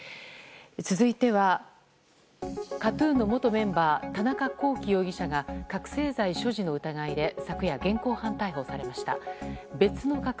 続いては、ＫＡＴ‐ＴＵＮの元メンバー田中聖容疑者が覚醒剤所持の疑いで昨夜、現行犯逮捕されました。